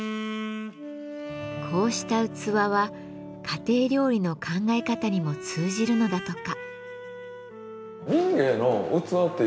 こうした器は家庭料理の考え方にも通じるのだとか。